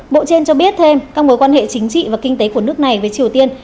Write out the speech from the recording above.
bộ trên cho biết thêm các mối quan hệ chính trị và kinh tế của nước này với triều tiên